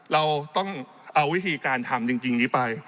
เราต้องเอาวิธีการทำจริงนี้ไป